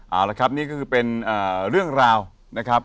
เอาละครับนี่ก็คือเป็นเรื่องราวนะครับ